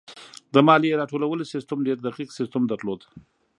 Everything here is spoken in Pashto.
د مالیې راټولولو سیستم ډېر دقیق سیستم درلود.